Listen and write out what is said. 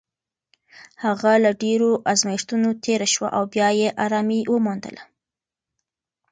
هغه له ډېرو ازمېښتونو تېره شوه او بیا یې ارامي وموندله.